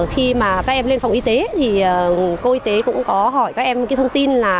khi mà các em lên phòng y tế thì cô y tế cũng có hỏi các em cái thông tin là